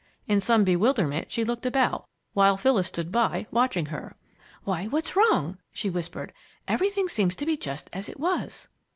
In some bewilderment she looked about, while Phyllis stood by, watching her. "Why, what's wrong?" she whispered. "Everything seems to be just as it was."